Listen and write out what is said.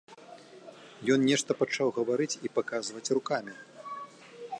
Ён нешта пачаў гаварыць і паказваць рукамі.